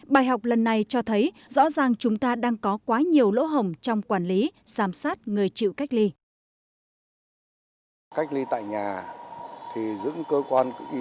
bài học lần này cho thấy rõ ràng chúng ta đang có quá nhiều lỗ hồng trong quản lý giám sát người chịu cách ly